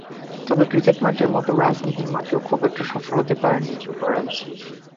তবে ক্রিকেট মাঠের মতো রাজনীতির মাঠেও খুব একটা সফল হতে পারেননি যোগরাজ।